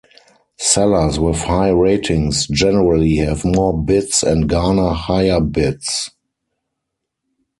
Sellers with high ratings generally have more bids and garner higher bids.